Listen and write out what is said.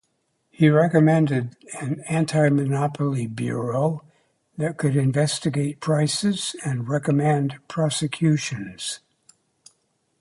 He recommended an anti-monopoly bureau that could investigate prices and recommend prosecutions.